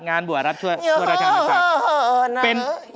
งานบัวรับทวดราชาณะจักร